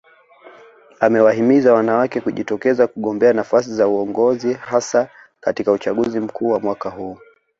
Amewahimiza wanawake kujitokeza kugombea nafasi za uongozi hasa katika uchaguzi mkuu wa mwaka huu